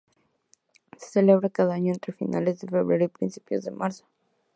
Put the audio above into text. Se celebra cada año entre finales de febrero y principios de marzo.